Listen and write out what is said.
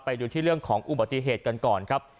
ไปดูที่เรื่องของอุบัติเหตุกันก่อนครับ